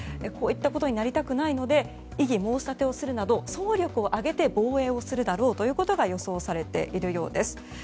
こういったことになりたくないので異議申し立てをするなど総力を挙げて防衛するだろうということが予想されているようです。